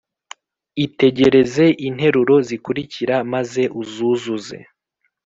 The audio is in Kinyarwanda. Itegereze interuro zikurikira maze uzuzuze